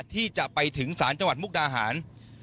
ที่จะไปถึงศาลจังหวัดมุกดาหาร